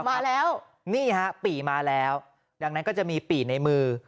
มาแล้วนี่ฮะปี่มาแล้วดังนั้นก็จะมีปี่ในมือ